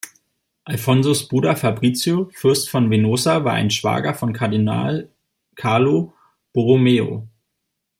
Alfonsos Bruder Fabrizio, Fürst von Venosa, war ein Schwager von Kardinal Carlo Borromeo.